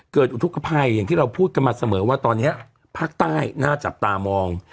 อุทธกภัยอย่างที่เราพูดกันมาเสมอว่าตอนนี้ภาคใต้น่าจับตามอง